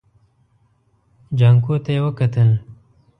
جانکو ته يې وکتل.